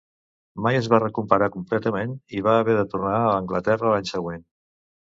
Mai es va recuperar completament i va haver de tornar a Anglaterra l'any següent.